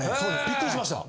びっくりしました。